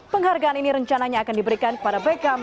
penghargaan ini rencananya akan diberikan kepada beckham